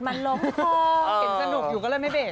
เก็บสนุกอยู่ก็เลยไม่ตก